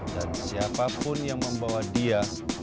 dan siapapun yang membawa dia